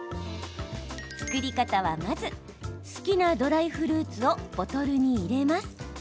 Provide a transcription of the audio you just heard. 作り方はまず好きなドライフルーツをボトルに入れます。